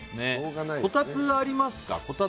こたつはありますか？